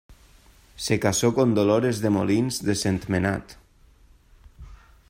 Se casó con Dolores de Molins de Sentmenat.